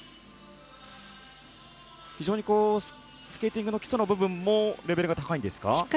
非常にスケーティングの基礎の部分もレベルが高いですか？